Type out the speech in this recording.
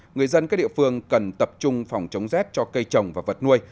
người dân các địa phương cần tập trung phòng chống rét cho cây trồng và vật nuôi